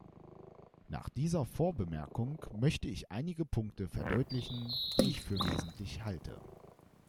Nach dieser Vorbemerkung möchte ich einige Punkte verdeutlichen, die ich für wesentlich halte.